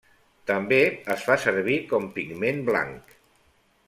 També es fa servir com pigment blanc.